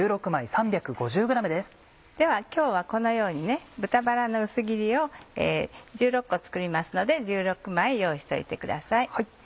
では今日はこのように豚バラの薄切りを１６個作りますので１６枚用意しておいてください。